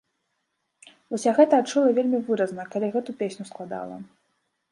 Вось я гэта адчула вельмі выразна, калі гэту песню складала.